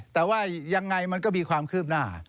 แต่ว่ายังไงมันก็มีความคืบหน้า